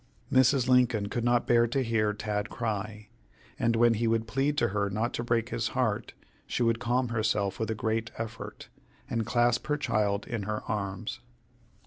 Mrs. Lincoln could not bear to hear Tad cry, and when he would plead to her not to break his heart, she would calm herself with a great effort, and clasp her child in her arms.